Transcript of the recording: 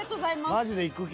マジでいく気？